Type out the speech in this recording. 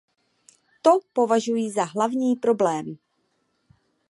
To považuji za hlavní problém.